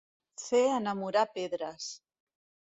Fer enamorar pedres.